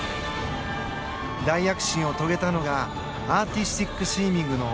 大躍進を遂げたのがアーティスティックスイミングの